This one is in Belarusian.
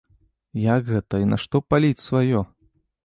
Як гэта і нашто паліць сваё!